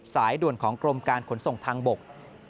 สายด่วนของกรมการขนส่งทางบก